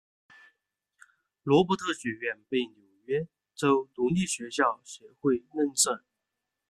罗伯特学院被纽约州独立学校协会认证。